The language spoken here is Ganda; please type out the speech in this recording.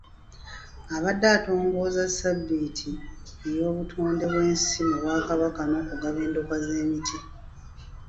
Abadde atongoza Ssabbiiti y’obutonde bw’ensi mu Bwakabaka n’okugaba endokwa z’emiti .